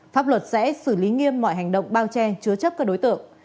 pháp luật sẽ xử lý nghiêm mọi hành động bao che chứa chấp các đối tượng